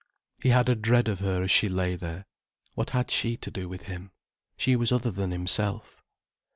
He had a dread of her as she lay there. What had she to do with him? She was other than himself.